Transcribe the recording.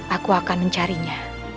aku akan mencarinya